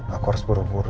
aku harus buru buru